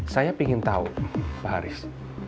saya ingin tahu pak haris